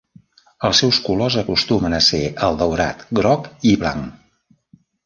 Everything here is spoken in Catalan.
Els seus colors acostumen a ser el daurat, groc i blanc.